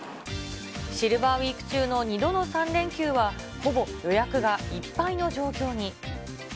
シルバーウィーク中の２度の３連休はほぼ予約がいっぱいの状況に。